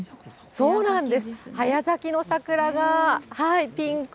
そうなんです。